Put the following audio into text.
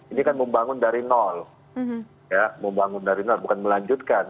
ini kan membangun dari nol membangun dari nol bukan melanjutkan